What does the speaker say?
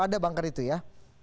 ada bangker itu ya